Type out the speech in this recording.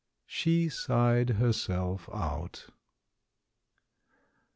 She sighed herself out.